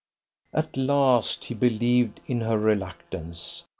At last he believed in her reluctance.